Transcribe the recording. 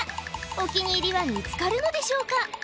お気に入りは見つかるのでしょうか？